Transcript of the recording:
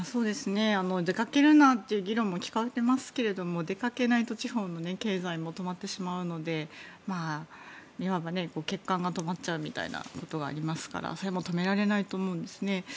出かけるななんていう議論も出ていますが出かけないと地方の経済も止まってしまうのでいわば血管が止まっちゃうみたいなことがありますからそれも止められないと思うんです。